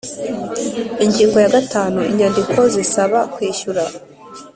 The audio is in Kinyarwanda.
ingingo ya gatanu inyandiko zisaba kwishyura